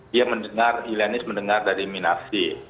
dia mendengar ilenis mendengar dari minasi